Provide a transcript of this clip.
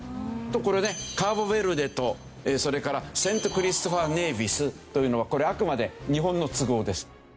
これねカーボヴェルデとそれからセントクリストファー・ネーヴィスというのはこれあくまで日本の都合です。